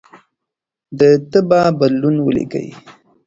د تبه بدلون ولیکئ.